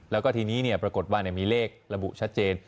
แล้วก็ทีนี้ปรากฏว่ามีเลขระบุชัดเจน